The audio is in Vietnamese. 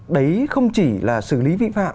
đấy không chỉ là xử lý vi phạm